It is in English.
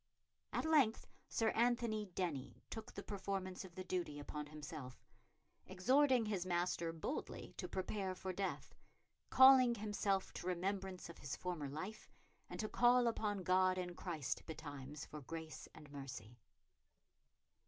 At length Sir Anthony Denny took the performance of the duty upon himself, exhorting his master boldly to prepare for death, "calling himself to remembrance of his former life, and to call upon God in Christ betimes for grace and mercy."